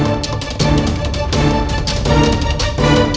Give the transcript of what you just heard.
dinda tunggu dinda